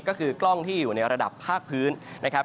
ก็คือกล้องที่อยู่ในระดับภาคพื้นนะครับ